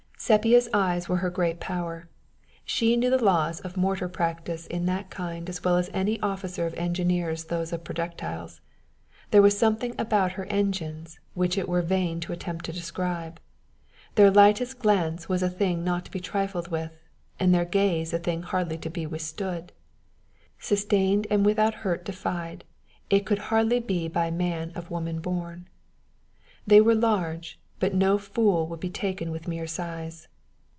Sepia's eyes were her great power. She knew the laws of mortar practice in that kind as well as any officer of engineers those of projectiles. There was something about her engines which it were vain to attempt to describe. Their lightest glance was a thing not to be trifled with, and their gaze a thing hardly to be withstood. Sustained and without hurt defied, it could hardly be by man of woman born. They were large, but no fool would be taken with mere size.